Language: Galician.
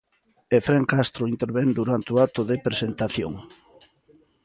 Efrén Castro intervén durante o acto de presentación.